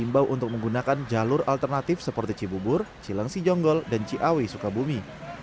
bahkan jalur alternatif seperti cibubur cilangsi jonggol dan ciawi sukabumi